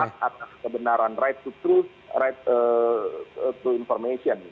sebenarnya hak atas kebenaran hak atas kebenaran